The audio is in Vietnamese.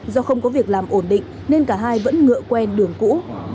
do không có việc làm ổn định nên cả hai vẫn ngựa quen đường cũ